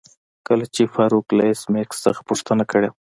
کله چې فارویک له ایس میکس څخه پوښتنه کړې وه